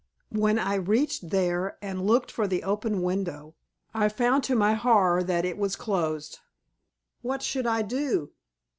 When I reached there and looked for the open window I found to my horror that it was closed. What should I do?